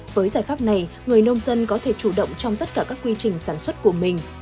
với giải pháp này người nông dân có thể chủ động trong tất cả các quy trình sản xuất của mình